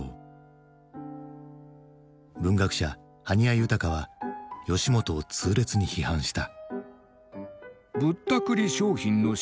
文学者埴谷雄高は吉本を痛烈に批判した。